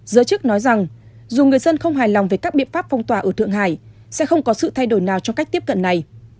giới chức nói rằng dù người dân không hài lòng về các biện pháp phong tỏa ở thượng hải sẽ không có sự thay đổi nào trong cách tiếp cận này